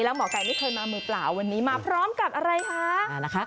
แล้วหมอไก่ไม่เคยมามือเปล่าวันนี้มาพร้อมกับอะไรคะ